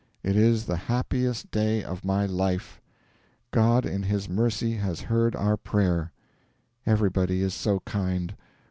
IT IS THE HAPPIEST DAY OF MY LIFE.... God in His mercy has heard our prayer.... Everybody is so kind.